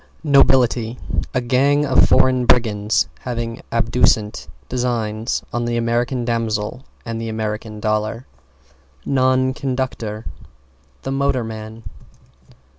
=NOBILITY= A gang of foreign brigands having abducent designs on the American Damsel and the American Dollar. =NON CONDUCTOR= The motorman.